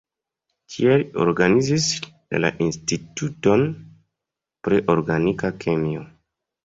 Tie li organizis la la instituton pri organika kemio.